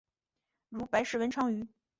如白氏文昌鱼。